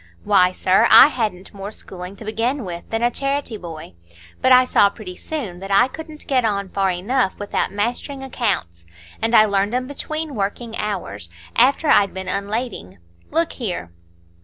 Why, sir, I hadn't more schooling to begin with than a charity boy; but I saw pretty soon that I couldn't get on far enough without mastering accounts, and I learned 'em between working hours, after I'd been unlading. Look here."